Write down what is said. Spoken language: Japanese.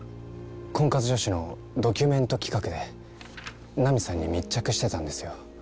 婚活女子のドキュメント企画でナミさんに密着してたんですよ。